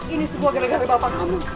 ini sebuah gelegan dari bapak kamu